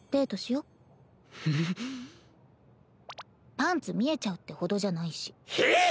パンツ見えちゃうってほどじゃないし。